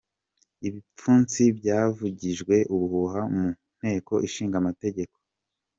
Ibipfunsi byavugije ubuhuha mu nteko ishinga amategeko